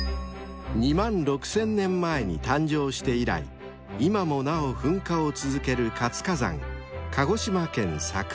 ［２万６０００年前に誕生して以来今もなお噴火を続ける活火山］